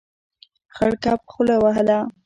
خړ کب خوله وهله.